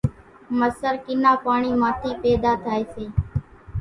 مسر ڪِنا پاڻِي مان ٿِي پيۮا ٿائيَ سي۔